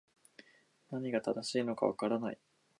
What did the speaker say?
何が正しいのか分からない